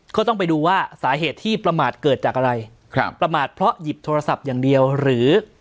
ก็ต้องไปดูว่าสาเหตุที่ประมาทเกิดจากอะไรครับประมาทเพราะหยิบโทรศัพท์อย่างเดียวหรือ